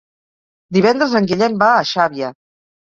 Divendres en Guillem va a Xàbia.